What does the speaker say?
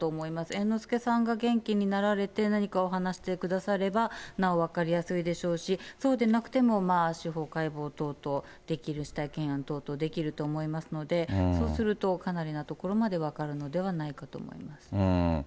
猿之助さんが元気になられて、何かをお話ししてくださればなお分かりやすいでしょうし、そうでなくても、司法解剖等々それができると思いますので、そうすると、かなりなところまで分かるのではないかと思います。